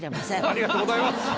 ありがとうございます。